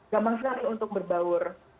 gampang sekali untuk berbaur